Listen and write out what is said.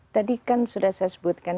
tadi kan sudah saya sebutkan